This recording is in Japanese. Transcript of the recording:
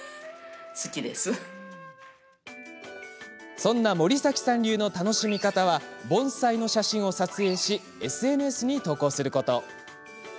そんな森崎さん流の楽しみ方は盆栽の写真を撮影しＳＮＳに投稿すること。